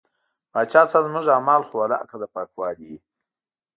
پاچا صاحب زموږ اعمال خو ولاکه د پاکوالي وي.